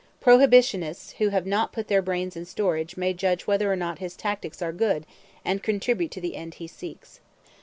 Prohibitionists who have not put their brains in storage may judge whether or not his tactics are good and contribute to the end he seeks.